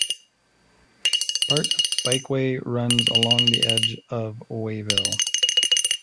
Part of the bikeway runs along the edge of Wayville.